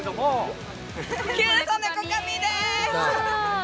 キュウソネコカミです！